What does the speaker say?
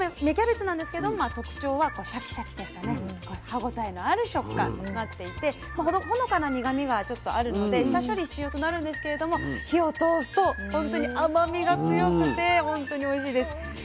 芽キャベツなんですけども特徴はシャキシャキとした歯応えのある食感になっていてほのかな苦みがちょっとあるので下処理必要となるんですけれども火を通すとほんとに甘みが強くてほんとにおいしいです。